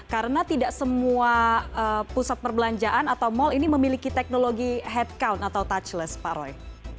karena tidak semua pusat perbelanjaan atau mall ini memiliki teknologi headcount atau touchless pak roy